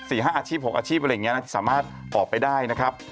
สัก๔๕อาชีพ๖อาชีพสามารถออกไปได้นะครับ